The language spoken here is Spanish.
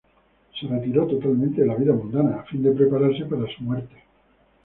Se retiró totalmente de la vida mundana, a fin de prepararse para su muerte.